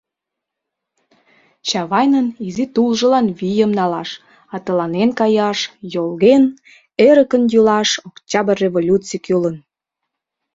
Чавайнын изи тулжылан вийым налаш, атыланен каяш, йолген, эрыкын йӱлаш Октябрь революций кӱлын.